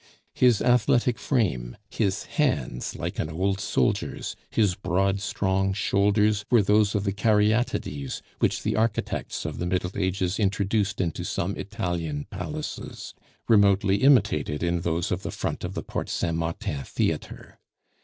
His athletic frame, his hands like an old soldier's, his broad, strong shoulders were those of the Caryatides which the architects of the Middle Ages introduced into some Italian palaces, remotely imitated in those of the front of the Porte Saint Martin theatre.